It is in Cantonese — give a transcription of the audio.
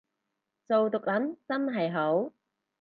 做毒撚真係好